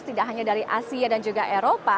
tidak hanya dari asia dan juga eropa